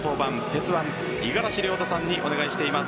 鉄腕・五十嵐亮太さんにお願いしています。